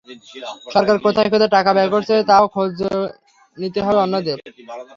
সরকার কোথায় কোথায় টাকা ব্যয় করছে, তারও খোঁজ নিতে হবে অন্যদের।